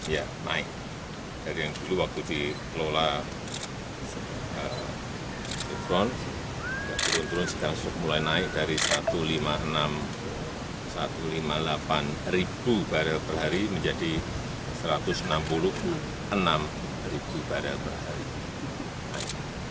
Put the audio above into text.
ya naik dari yang dulu waktu dikelola turun turun sekarang mulai naik dari satu ratus lima puluh enam satu ratus lima puluh delapan barel per hari menjadi satu ratus enam puluh enam ribu barel per hari